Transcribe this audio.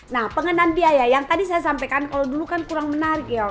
nah pengenaan biaya yang tadi saya sampaikan kalau dulu kan kurang menarik ya